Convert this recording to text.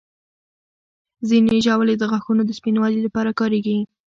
ځینې ژاولې د غاښونو د سپینوالي لپاره کارېږي.